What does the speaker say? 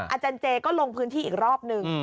อาจารย์เจก็ลงพื้นที่อีกรอบนึง